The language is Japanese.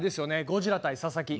「ゴジラ対佐々木」。